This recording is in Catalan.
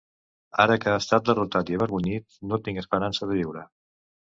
Ara que ha estat derrotat i avergonyit, no tinc esperança de viure.